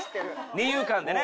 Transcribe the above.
二遊間でね。